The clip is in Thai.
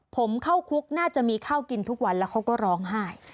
ผมเข้าคุกน่าจะมีข้าวกินทุกวันแล้วเขาก็ร้องไห้